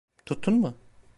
Tuttun mu?